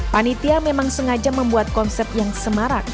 panitia memang sengaja membuat konsep yang semarak